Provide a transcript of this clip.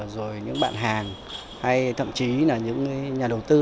rồi những bạn hàng hay thậm chí là những nhà đầu tư